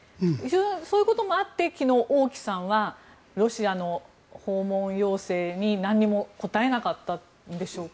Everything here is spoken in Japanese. そういうこともあって昨日王毅さんはロシアの訪問要請に何も答えなかったんでしょうか。